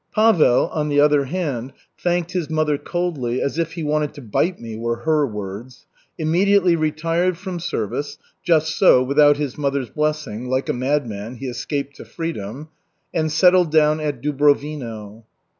Pavel, on the other hand, thanked his mother coldly ("as if he wanted to bite me," were her words), immediately retired from service ("just so, without his mother's blessing, like a madman, he escaped to freedom") and settled down at Dubrovino.